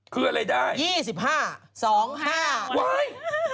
คืออะไรได้๒๕๒๕